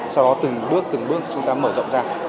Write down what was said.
sau đó từng bước từng bước chúng ta mở rộng ra